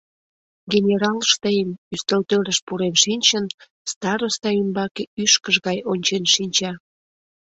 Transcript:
Генерал Штейн, ӱстелтӧрыш пурен шинчын, староста ӱмбаке ӱшкыж гай ончен шинча.